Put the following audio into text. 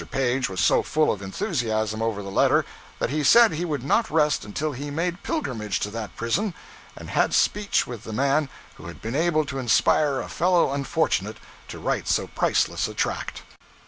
Page was so full of enthusiasm over the letter that he said he would not rest until he made pilgrimage to that prison, and had speech with the man who had been able to inspire a fellow unfortunate to write so priceless a tract.